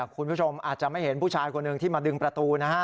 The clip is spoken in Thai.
คุณผู้ชมอาจจะไม่เห็นผู้ชายคนหนึ่งที่มาดึงประตูนะฮะ